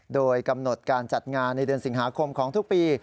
โดยกำหนดการจัดงานในเดือนสิงหาคมของทุกปี